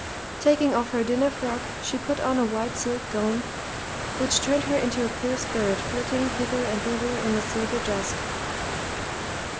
Taking off her dinner frock, she put on a white silk gown which turned her into a pale spirit flitting hither and thither in the silver dusk.